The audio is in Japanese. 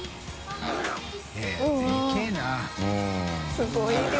すごい量。